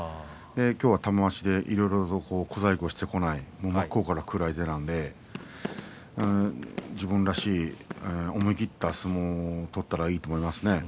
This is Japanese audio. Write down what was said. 今日は玉鷲でいろいろと小細工をしてこない、真っ向からくる相手なので自分らしい思い切った相撲を取ったらいいと思いますね。